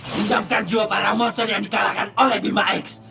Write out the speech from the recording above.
pinjamkan jiwa para monster yang dikalahkan oleh bima x